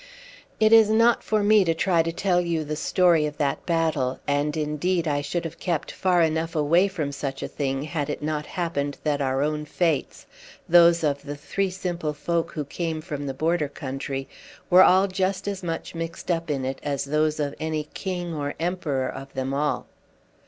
It is not for me to try to tell you the story of that battle, and, indeed, I should have kept far enough away from such a thing had it not happened that our own fates, those of the three simple folk who came from the border country, were all just as much mixed up in it as those of any king or emperor of them all.